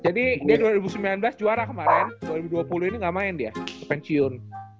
jadi dia dua ribu sembilan belas juara kemarin dua ribu dua puluh ini nggak main dia ke pensiun